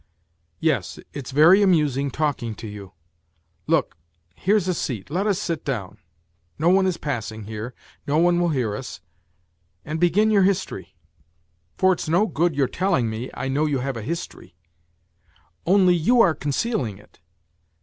" Yes, it's very amusing talking to you. Look, here's a seat, let us sit down. No one is passing here, no one will hear us, and begin your history. For it's no good your telling me, I know you have a history; only you are concealing it.